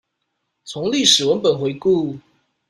從歷史文本回顧